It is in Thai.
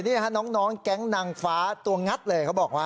นี่น้องแก๊งนางฟ้าตัวงัดเลย